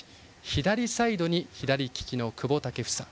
左サイドに左利きの久保建英。